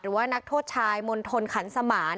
หรือว่านักโทษชายมณฑลขันสมาร์ต